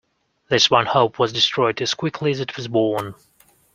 This one hope was destroyed as quickly as it was born.